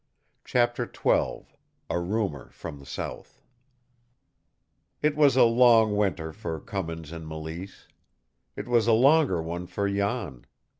CHAPTER XII A RUMOR FROM THE SOUTH It was a long winter for Cummins and Mélisse. It was a longer one for Jan.